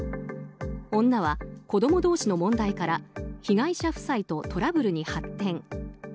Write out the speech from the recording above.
女は、子供同士の問題から被害者夫妻とトラブルに発展。